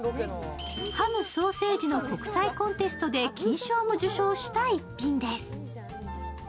ハム・ソーセージの国債コンテストで金賞も受賞した逸品です。